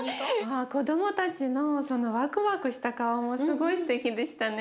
子どもたちのワクワクした顔もすごいすてきでしたね。